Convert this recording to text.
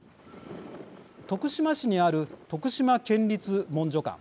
徳島市にある、徳島県立文書館。